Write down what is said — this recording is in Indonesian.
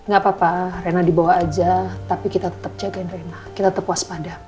gak apa apa rena dibawa aja tapi kita tetap jagain rena kita tetap waspada